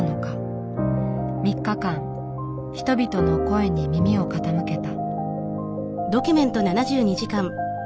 ３日間人々の声に耳を傾けた。